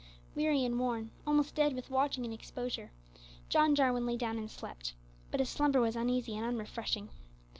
Weary and worn almost dead with watching and exposure John Jarwin lay down and slept, but his slumber was uneasy and unrefreshing.